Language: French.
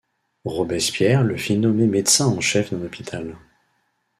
Roberspierre le fit nommer médecin en chef d’un hôpital.